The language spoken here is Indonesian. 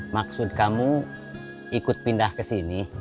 maksud kamu ikut pindah kesini